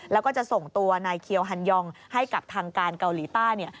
แล้วก็จะส่งตัวนายเคียวฮันยองให้กับทางการเกาหลีใต้เนี่ย